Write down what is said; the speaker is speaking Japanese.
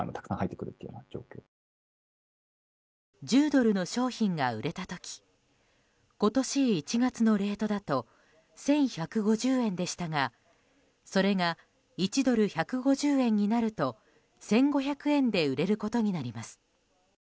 １０ドルの商品が売れた時今年１月のレートだと１１５０円でしたがそれが１ドル＝１５０円になると１５００円で売れることになります。